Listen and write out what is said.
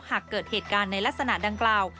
หากเกิดเหตุการณ์ในลักษณะดังกล่าว